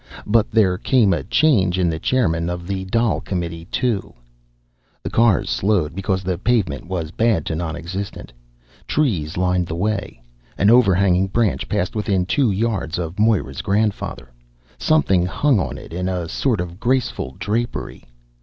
But there came a change in the chairman of the Dail Committee, too. The cars slowed because the pavement was bad to nonexistent. Trees lined the way. An overhanging branch passed within two yards of Moira's grandfather. Something hung on it in a sort of graceful drapery.